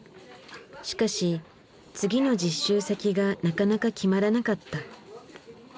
しかし次の実習先がなかなか決まらなかった。